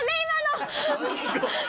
今の。